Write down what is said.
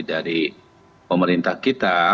dari pemerintah kita